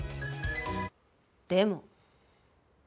でも。